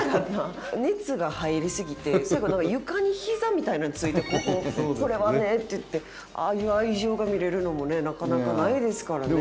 熱が入りすぎて床に膝みたいなんついて「これはね」って言ってああいう愛情が見れるのもなかなかないですからね。